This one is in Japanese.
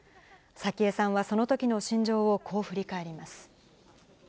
早紀江さんはそのときの心情をこう振り返ります。